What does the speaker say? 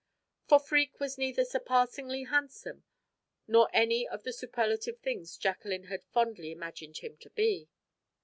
For Freke was neither surpassingly handsome nor any of the superlative things Jacqueline had fondly imagined him to be.